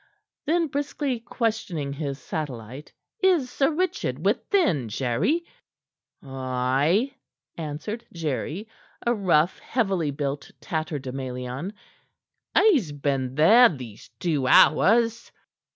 Then, briskly questioning his satellite: "Is Sir Richard within, Jerry?" "Ay," answered Jerry a rough, heavily built tatterdemalion. "He's been there these two hours."